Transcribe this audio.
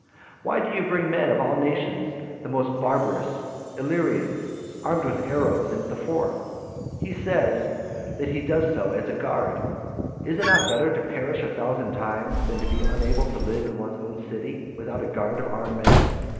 Why do you bring men of all nations the most barbarous, Ityreans, armed with arrows, into the forum? He says, that he does so as a guard. Is it not then better to perish a thousand times than to be unable to live in one's own city without a guard of armed men?